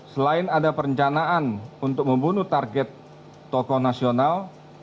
selain ada perencanaan untuk membunuh target tokoh nasional